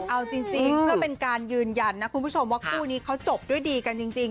เอาจริงเพื่อเป็นการยืนยันนะคุณผู้ชมว่าคู่นี้เขาจบด้วยดีกันจริง